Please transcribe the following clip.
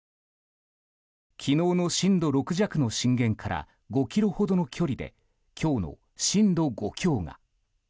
昨日の震度６弱の震源から５ｋｍほどの距離で今日の震度５強が。